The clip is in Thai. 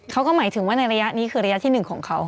เขาก็หมายถึงว่าในระยะนี้คือระยะที่๑ของเขา